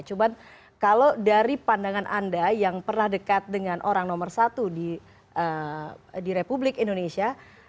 cuman kalau dari pandangan anda yang pernah dekat dengan orang nomor satu di republik indonesia